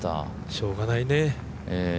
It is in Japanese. しょうがないね。